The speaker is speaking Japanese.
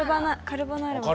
カルボナーラも。